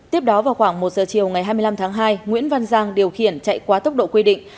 tiếp đó vào khoảng một giờ chiều ngày hai mươi năm tháng hai nguyễn văn giang điều khiển chạy quá tốc độ quy định